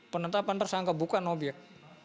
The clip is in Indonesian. penetapan tersangka bukan obyek